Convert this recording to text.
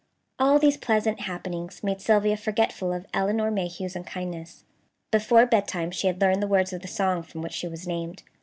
All these pleasant happenings made Sylvia forgetful of Elinor Mayhew's unkindness. Before bedtime she had learned the words of the song from which she was named.